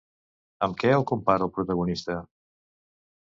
Amb què el compara el protagonista?